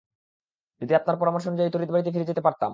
যদি আপনার পরামর্শ অনুযায়ী তড়িৎ বাড়িতে ফিরে যেতে পারতাম!